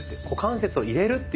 股関節を入れる？